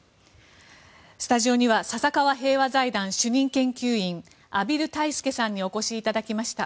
スタジオには笹川平和財団主任研究員、畔蒜泰助さんにお越しいただきました。